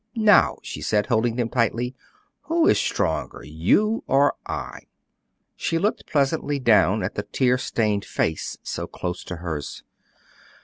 "Now," she said, holding them tightly, "who is the stronger, you or I?" She looked pleasantly down at the tear stained face so close to hers.